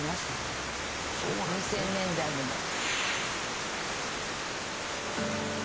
２０００年代にも。